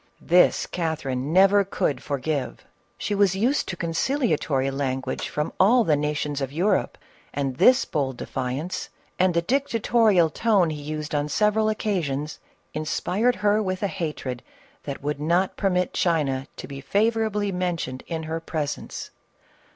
This Catherine never could forgive. She was used to conciliatory language from all the nations of Europe, and this bold defiance, and the dictatorial tone he used on several occasions, inspired her with a hatred that would not permit China to be favorably mentioned in her pres ence.